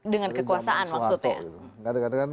dengan kekuasaan maksudnya